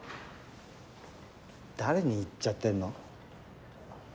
誰に言っちゃってんの？